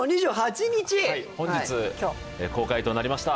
本日公開となりました